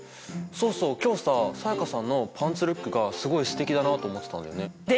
そうそう今日さ才加さんのパンツルックがすごいすてきだなあと思ってたんだよね。でしょう？